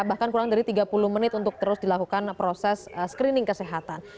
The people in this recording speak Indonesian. bahkan kurang dari tiga puluh menit untuk terus dilakukan proses screening kesehatan